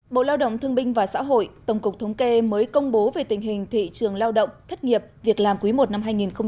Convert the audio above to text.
bộ lao động thương binh và xã hội tổng cục thống kê mới công bố về tình hình thị trường lao động thất nghiệp việc làm quý i năm hai nghìn hai mươi